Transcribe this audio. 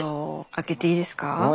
開けていいですか？